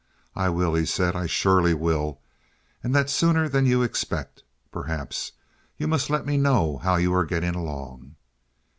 "I will," he said, "I surely will. And that sooner than you expect, perhaps. You must let me know how you are getting along."